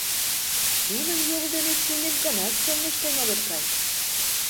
Нуным йол дене чумет гынат, чоҥештен огыт кай...